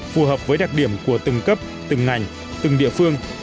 phù hợp với đặc điểm của từng cấp từng ngành từng địa phương